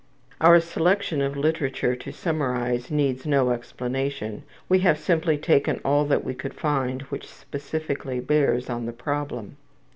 Our selection of literature to summarize needs no explanation. We have simply taken all that we could find which specifically bears on the problem.